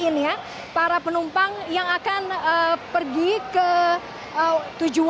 ini adalah tempat yang akan menemukan para penumpang yang akan pergi ke tujuan